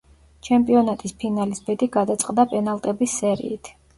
ჩემპიონატის ფინალის ბედი გადაწყდა პენალტების სერიით.